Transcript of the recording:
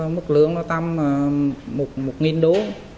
mức lượng tầm một đô